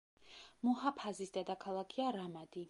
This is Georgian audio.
მუჰაფაზის დედაქალაქია რამადი.